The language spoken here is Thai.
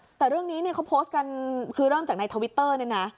แต่เรื่องนี้เนี่ยเขาโพสต์กันคือเริ่มจากในทวิตเตอร์เนี่ยนะ